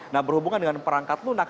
nah berhubungan dengan perangkat lunak